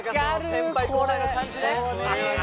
先輩後輩の感じね！